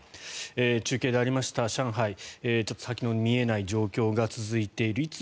中継でありました上海、先の見えない状況が続いている。